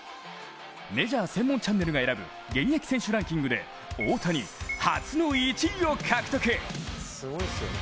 メジャー専門チャンネルが選ぶ現役選手ランキングで大谷、初の１位を獲得。